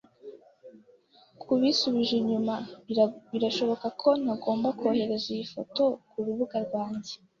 Kubisubije inyuma, birashoboka ko ntagomba kohereza iyo foto kurubuga rwanjye.